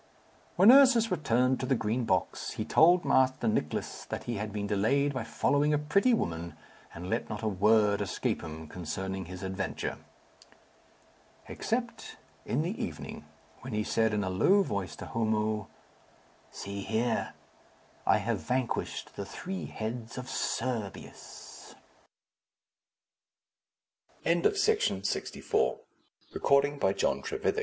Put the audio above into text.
When Ursus returned to the Green Box, he told Master Nicless that he had been delayed by following a pretty woman, and let not a word escape him concerning his adventure. Except in the evening when he said in a low voice to Homo, "See here, I have vanquished the three heads of Cerberus." CHAPTER VII. WHY SHOULD A GOLD PIECE LO